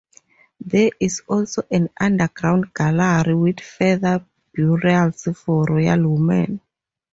There is also an underground gallery with further burials for royal women.